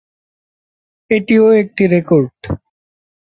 এটিও একটি রেকর্ড।